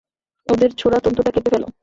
ওদের ছোড়া তন্তুটা কেটে ফেলো!